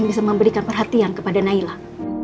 yang bisa memberikan perhatian kepada nailah